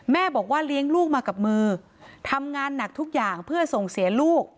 แม่บอกว่าเลี้ยงลูกมากับมือทำงานหนักทุกอย่างเพื่อส่งเสียลูก